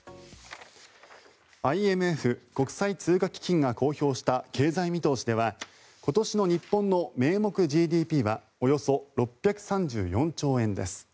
ＩＭＦ・国際通貨基金が公表した経済見通しでは今年の日本の名目ＧＤＰはおよそ６３４兆円です。